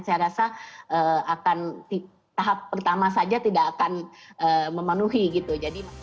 saya rasa akan tahap pertama saja tidak akan memenuhi gitu